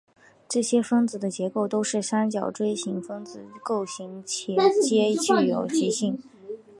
这些分子的结构都是三角锥形分子构型且皆具有极性。